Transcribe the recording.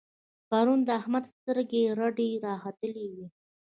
پرون د احمد سترګې رډې را ختلې وې.